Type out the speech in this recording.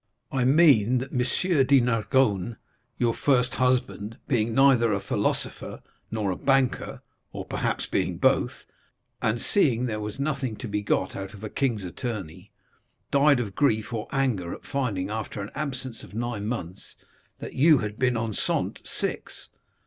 "I mean that M. de Nargonne, your first husband, being neither a philosopher nor a banker, or perhaps being both, and seeing there was nothing to be got out of a king's attorney, died of grief or anger at finding, after an absence of nine months, that you had been enceinte six.